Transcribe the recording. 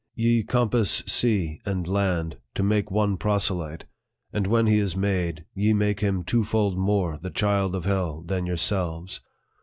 Ye compass sea and land to make one proselyte, and when he is made, ye make him twofold more the child of hell than your selves.